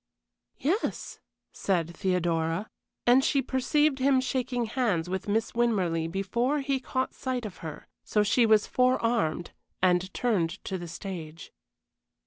"Yes," said Theodora, and she perceived him shaking hands with Miss Winmarleigh before he caught sight of her, so she was forearmed and turned to the stage.